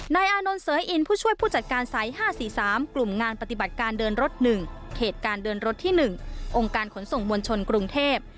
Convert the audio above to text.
อานนท์เสยอินผู้ช่วยผู้จัดการสาย๕๔๓กลุ่มงานปฏิบัติการเดินรถ๑เขตการเดินรถที่๑องค์การขนส่งมวลชนกรุงเทพ